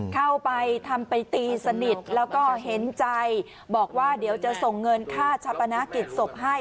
เข้าไปทำไปตีสนิทแล้วก็เห็นใจบอกว่าเดี๋ยวจะส่งเงินค่าชาปนากิจศพให้